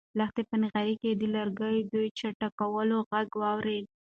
لښتې په نغري کې د لرګیو د چټکولو غږ اورېده.